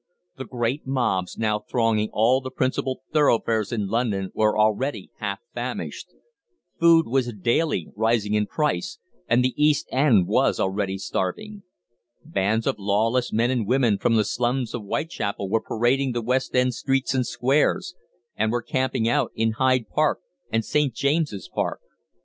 The great mobs now thronging all the principal thoroughfares in London were already half famished. Food was daily rising in price, and the East End was already starving. Bands of lawless men and women from the slums of Whitechapel were parading the West End streets and squares, and were camping out in Hyde Park and St. James's Park.